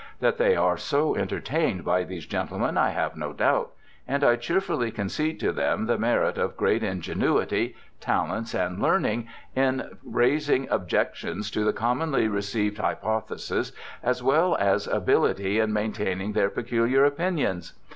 That they are so entertained by these gentlemen I have no doubt. And I cheerfully concede to them the merit of great ingenuity, talents, and learning, in raising objections to the commonly received hypothesis, as well as ability in maintaining their peculiar opinions.